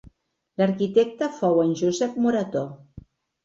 L'arquitecte fou en Josep Moretó.